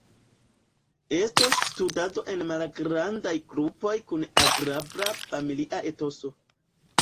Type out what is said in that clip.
Estos studado en malgrandaj grupoj kun agrabla familia etoso.